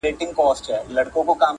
لکه د خضر په ظلماتو کې تنها پاتې شوم